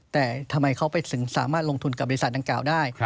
แต่ทำไมเขาถึงสามารถลงทุนกับบริษัทดังกล่าวได้